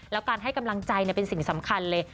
แล้วการให้กำลังใจเป็นสิ่งสำคัญเลย